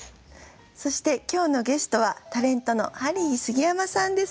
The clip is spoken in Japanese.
そして今日のゲストはタレントのハリー杉山さんです。